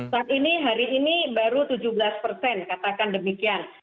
saat ini hari ini baru tujuh belas persen katakan demikian